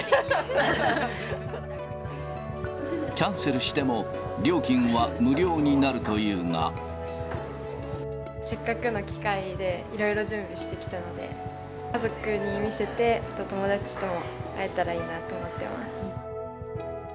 キャンセルしても、料金は無せっかくの機会で、いろいろ準備もしてきたので、家族に見せて、友達とも会えたらいいなと思ってます。